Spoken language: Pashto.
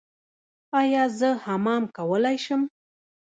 ایا زه حمام کولی شم؟